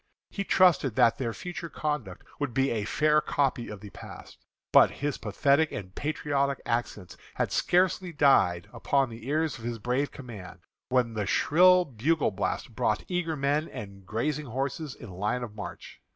He trusted that their future conduct would be a fair copy of the past. But his pathetic and patriotic accents had scarcely died upon the ear of his brave command, when the shrill bugle blast brought eager men and grazing horses in line of march.